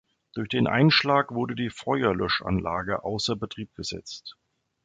Durch den Einschlag wurde die Feuerlöschanlage außer Betrieb gesetzt.